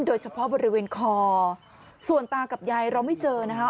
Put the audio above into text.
โดยเฉพาะบริเวณคอส่วนตากับยายเราไม่เจอนะคะ